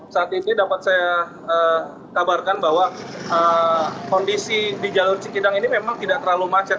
saat ini dapat saya kabarkan bahwa kondisi di jalur cikidang ini memang tidak terlalu macet